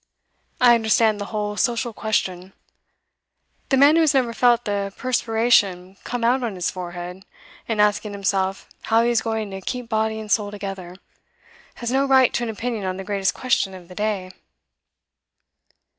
I understand the whole "social question." The man who has never felt the perspiration come out on his forehead in asking himself how he is going to keep body and soul together, has no right to an opinion on the greatest question of the day.